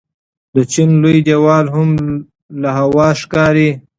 د چین لوی دیوال هم له هوا ښکاري.